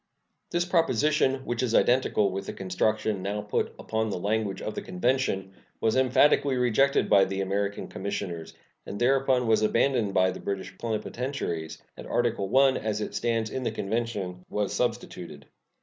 This proposition, which is identical with the construction now put upon the language of the convention, was emphatically rejected by the American commissioners, and thereupon was abandoned by the British plenipotentiaries, and Article I, as it stands in the convention, was substituted.